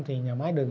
thì nhà máy đường